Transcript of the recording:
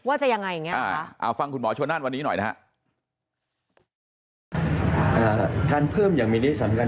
ว่าจะยังไงอย่างเงี้ยค่ะ